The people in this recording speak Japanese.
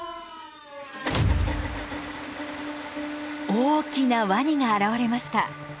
大きなワニが現れました。